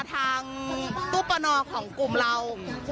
ทางตู้ประนอของกลุ่มเรา